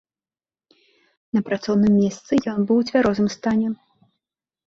На працоўным месцы ён быў у цвярозым стане.